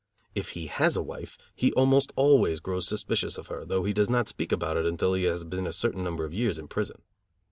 If he has a wife he almost always grows suspicious of her, though he does not speak about it until he has been a certain number of years in prison.